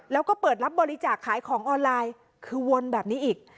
แล้วก็เปิดรับบริจาคขายของออนไลน์คือวนแบบนี้อีก